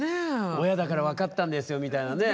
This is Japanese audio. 親だから分かったんですよみたいなね